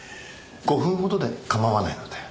５分ほどで構わないので。